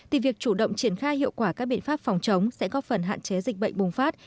thì việc chủ động triển khai hiệu quả các biện pháp phòng chống sẽ góp phần hạn chế dịch bệnh bùng phát